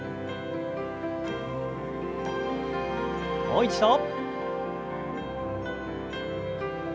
もう一度。